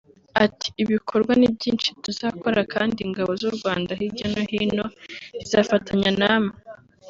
Ati “ibikorwa ni byinshi tuzakora kandi Ingabo z’u Rwanda hirya no hino zizafatanya namwe